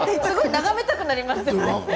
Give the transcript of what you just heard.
眺めたくなりますよね。